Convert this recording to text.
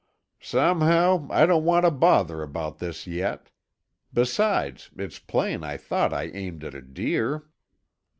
"Somehow I don't want to bother about this yet. Besides, it's plain I thought I aimed at a deer."